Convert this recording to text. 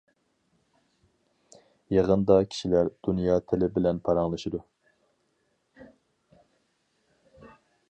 يېغىندا كىشىلەر دۇنيا تىلى بىلەن پاراڭلىشىدۇ.